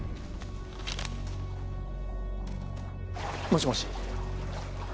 もしもし。